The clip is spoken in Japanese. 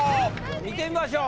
見てみましょう。